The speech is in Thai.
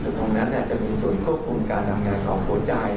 ตรงนั้นจะมีส่วนควบคุมการทำงานของหัวใจ